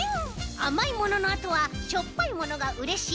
あまいもののあとはしょっぱいものがうれしいおいしいおてんき。